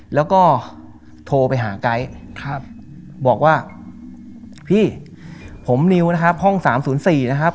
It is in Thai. แล้วก็โทรไปหาไก๊บอกว่าพี่ผมนิวนะครับห้อง๓๐๔นะครับ